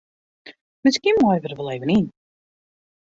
Miskien meie we der wol even yn.